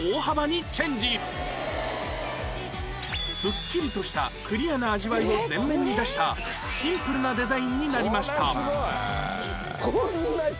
スッキリとしたクリアな味わいを前面に出したシンプルなデザインになりました